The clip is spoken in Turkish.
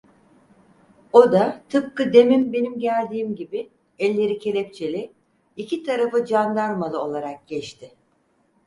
O da tıpkı demin benim geldiğim gibi elleri kelepçeli, iki tarafı candarmalı olarak geçti.